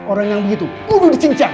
orang yang begitu udah di cincang